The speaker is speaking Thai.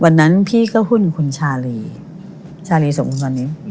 วันนั้นพี่ก็หุ้นคุณชาลีชาลีสมมุติวันนี้